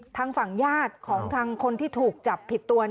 ทางฝั่งญาติของทางคนที่ถูกจับผิดตัว